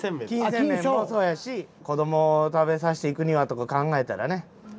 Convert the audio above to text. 金銭面もそうやし子どもを食べさせていくにはとか考えたらね。